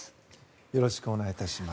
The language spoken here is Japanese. よろしくお願いします。